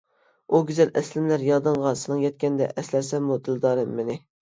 ئۇ گۈزەل ئەسلىمىلەر يادىڭغا سېنىڭ يەتكەندە ئەسلەرسەنمۇ، دىلدارىم مېنى.